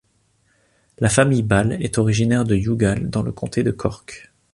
La famille Ball est originaire de Youghal dans le comté de Cork.